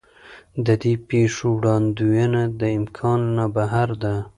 د دې پېښو وړاندوینه د امکان نه بهر ده.